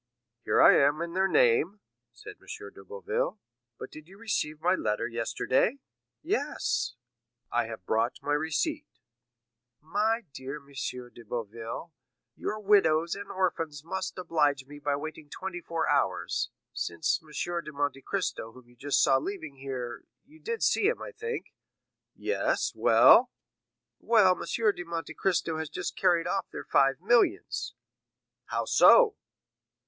"Here I am in their name," said M. de Boville; "but did you receive my letter yesterday?" "Yes." "I have brought my receipt." 50111m "My dear M. de Boville, your widows and orphans must oblige me by waiting twenty four hours, since M. de Monte Cristo whom you just saw leaving here—you did see him, I think?" "Yes; well?" "Well, M. de Monte Cristo has just carried off their five millions." "How so?"